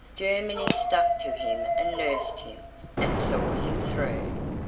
Germany stuck to him and nursed him, and saw him through.